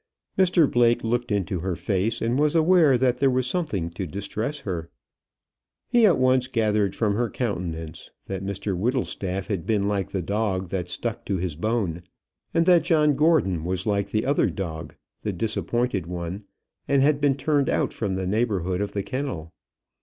Mr Blake looked into her face, and was aware that there was something to distress her. He at once gathered from her countenance that Mr Whittlestaff had been like the dog that stuck to his bone, and that John Gordon was like the other dog the disappointed one and had been turned out from the neighbourhood of the kennel.